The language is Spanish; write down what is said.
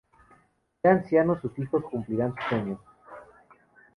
Ya ancianos, sus hijos cumplirán sus sueños.